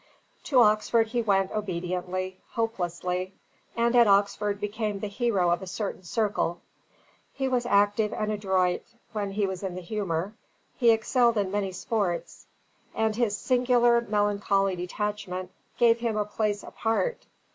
To Oxford he went obediently, hopelessly; and at Oxford became the hero of a certain circle. He was active and adroit; when he was in the humour, he excelled in many sports; and his singular melancholy detachment gave him a place apart.